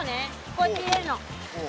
こうやって入れるの。